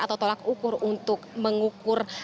atau tolak ukur untuk mengukur